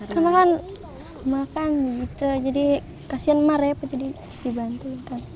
karena emak kan kasian emar ya pasti dibantu